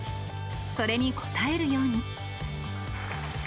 それに応えるように。